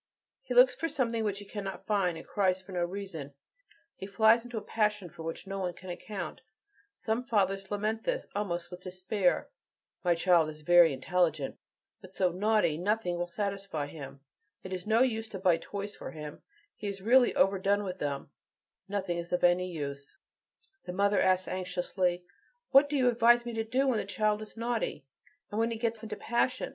He looks for something which he cannot find, and cries for no reason, he flies into a passion for which no one can account; some fathers lament this, almost with despair. "My child is very intelligent, but so naughty! nothing will satisfy him. It is no use to buy toys for him, he is really overdone with them; nothing is of any use." The mother asks anxiously, "What do you advise me to do when the child is naughty? and when he gets into passions?